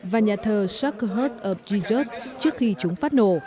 và nhà thờ shaker heart of jesus trước khi chúng phát nổ